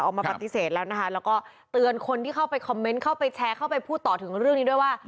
ออกมาปฏิเสธแล้วนะคะแล้วก็เตือนคนที่เข้าไปคอมเมนต์เข้าไปแชร์เข้าไปพูดต่อถึงเรื่องนี้ด้วยว่า